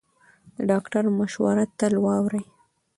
د ډاکټر مشوره تل واورئ.